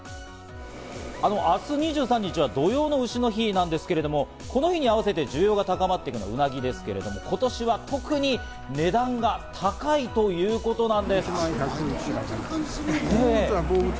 明日、２３日は土用の丑の日なんですけれども、この日にあわせて需要が高まっているのがウナギですけれども、今年は特に値段が高いということなんです。